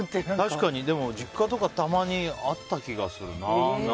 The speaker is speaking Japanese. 確かに、実家とかたまにあった気がするな。